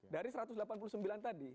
dari satu ratus delapan puluh sembilan tadi